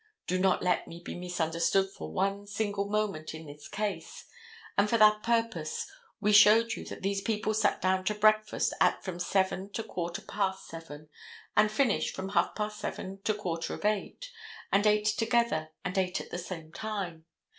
Do not let me be misunderstood for one single moment in this case. And for that purpose we showed you that these people sat down to breakfast at from seven to quarter past seven, and finished from half past seven to quarter of eight, and ate together and ate at the same time.